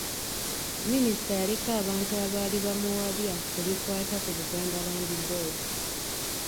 Minisita yaliko abantu abaali bamuwabya ku bikwata ku Buganda Land Board.